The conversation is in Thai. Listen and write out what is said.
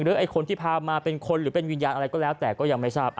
ไอ้คนที่พามาเป็นคนหรือเป็นวิญญาณอะไรก็แล้วแต่ก็ยังไม่ทราบ